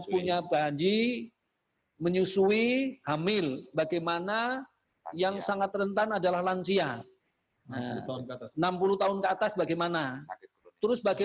kita akan kembali lagi nanti